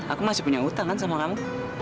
aku masih punya utang kan sama kamu